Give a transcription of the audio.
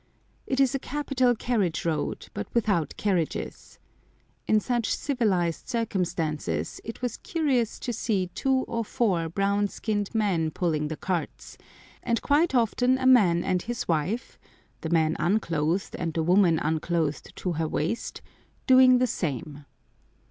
It is a capital carriage road, but without carriages. In such civilised circumstances it was curious to see two or four brown skinned men pulling the carts, and quite often a man and his wife—the man unclothed, and the woman unclothed to her waist—doing the same.